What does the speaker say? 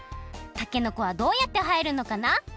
たけのこはどうやってはえるのかな？